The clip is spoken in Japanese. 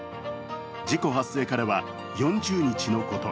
事故発生からは４０日のこと。